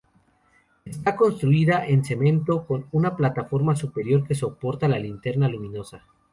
Está construida en cemento, con una plataforma superior que soporta la linterna luminosa.